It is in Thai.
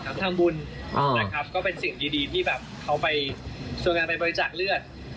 แต่ให้พี่ทำบุญนะครับก็เป็นสิ่งดีที่เขาไปชวนการไปบริจาคเลือด